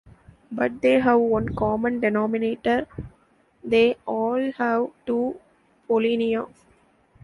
But they have one common denominator: they all have two pollinia.